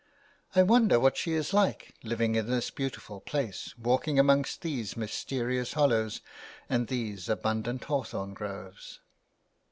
*' I wonder what she is like, living in this beautiful place, walking among these mysterious hollows and these abundant hawthorn groves